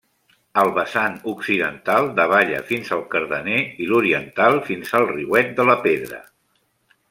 El vessant occidental davalla fins al Cardener i l'oriental fins al riuet de la Pedra.